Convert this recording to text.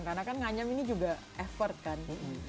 karena kan nganyam ini juga effort kan